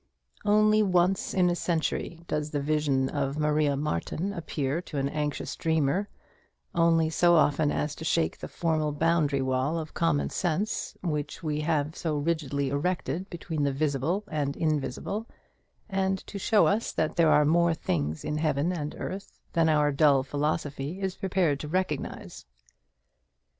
Only once in a century does the vision of Maria Martin appear to an anxious dreamer; only so often as to shake the formal boundary wall of common sense which we have so rigidly erected between the visible and invisible, and to show us that there are more things in heaven and earth than our dull philosophy is prepared to recognize.